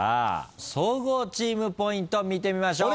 総合チームポイント見てみましょう。